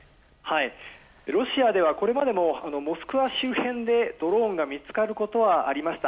ロシアでは、これまでもモスクワ周辺でドローンが見つかることはありました。